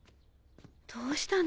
どうしたの？